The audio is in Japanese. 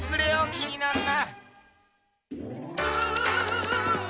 気になんな！